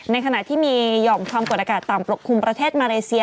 ขณะที่มีหย่อมความกดอากาศต่ำปกคลุมประเทศมาเลเซีย